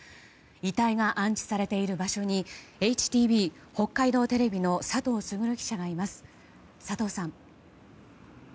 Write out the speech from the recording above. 遺体が安置されている場所にＨＴＢ北海道テレビの佐藤俊記者がいます。